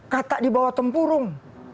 kata dibawa tempurung